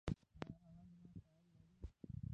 ایا هغه زما فایل لري؟